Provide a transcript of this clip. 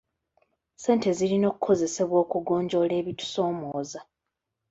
Ssente zirina okukozesebwa okugonjoola ebitusoomooza.